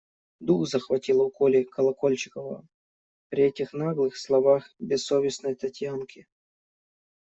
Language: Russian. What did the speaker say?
Дух захватило у Коли Колокольчикова при этих наглых словах бессовестной Татьянки.